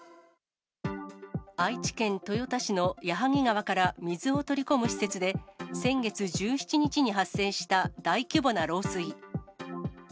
愛知県豊田市の矢作川から水を取り込む施設で、先月１７日に発生した大規模な漏水。